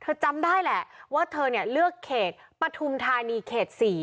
จำได้แหละว่าเธอเนี่ยเลือกเขตปฐุมธานีเขต๔